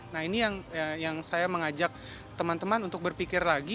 nah ini yang saya mengajak teman teman untuk berpikir lagi